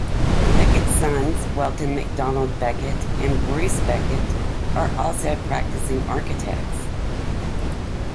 Becket's sons, Welton MacDonald Becket and Bruce Becket, are also practicing architects.